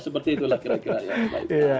seperti itulah kira kira ya